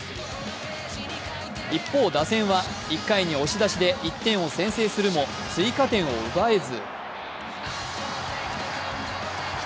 一方、打線は１回に押し出しで１点を先制するも、追加点を奪えず。